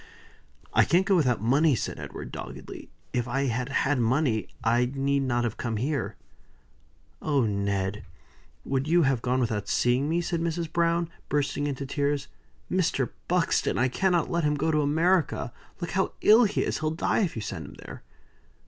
"I can't go without money," said Edward, doggedly. "If I had had money, I need not have come here." "Oh, Ned! would you have gone without seeing me?" said Mrs. Browne, bursting into tears. "Mr. Buxton, I cannot let him go to America. Look how ill he is. He'll die if you send him there."